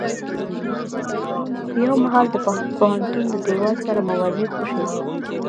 يو مهال د پوهنتون د دېوال سره موازي خوشې و.